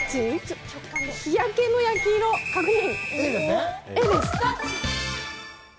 日焼けの焼き色を確認。